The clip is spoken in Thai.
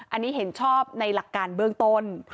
อันนี้เห็นชอบในหลักการเบื้องต้น